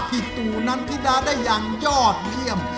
พิธุนัฮิดาได้อย่างยอดเพี้ยม